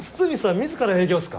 自ら営業っすか？